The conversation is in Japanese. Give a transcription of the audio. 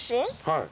はい。